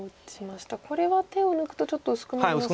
これは手を抜くとちょっと薄くなりますか。